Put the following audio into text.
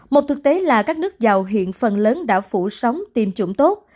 một thực tế là các nước giàu hiện phần lớn đã phủ sóng tiêm chủng tốt